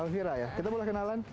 elvira ya kita boleh kenalan